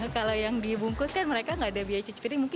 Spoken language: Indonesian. kalau yang dibungkus kan mereka nggak ada biaya cuci piring mungkin